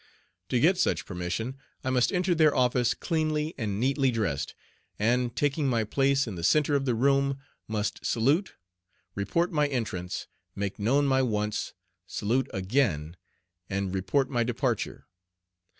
To get such permission I must enter their office cleanly and neatly dressed, and, taking my place in the centre of the room, must salute, report my entrance, make known my wants, salute again, and report my departure.